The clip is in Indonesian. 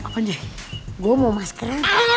gue mau masker